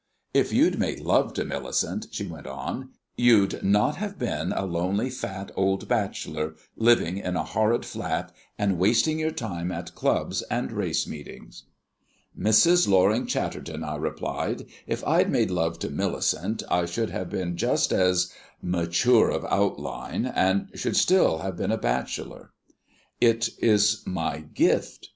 "If you'd made love to Millicent," she went on, "you'd not have been a lonely fat old bachelor, living in a horrid flat, and wasting your time at clubs and race meetings." "Mrs. Loring Chatterton," I replied, "if I'd made love to Millicent I should have been just as mature of outline, and should still have been a bachelor. It is my gift.